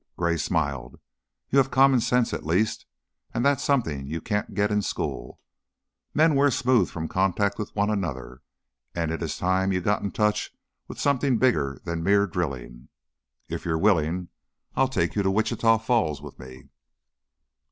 Gray smiled. "You have common sense, at least, and that's something you can't get in school. Men wear smooth from contact with one another, and it is time you got in touch with something bigger than mere drilling. If you're willing, I'll take you to Wichita Falls with me."